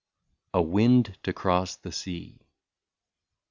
191 A WIND TO CROSS THE SEA.